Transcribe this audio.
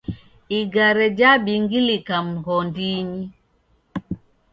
Igare jhabingilika mghondinyi